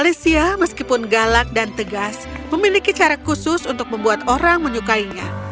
alicia meskipun galak dan tegas memiliki cara khusus untuk membuat orang menyukainya